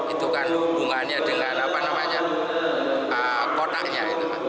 itu kan hubungannya dengan kotaknya